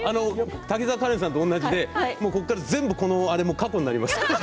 滝沢カレンさんと同じでここから全部、過去になります。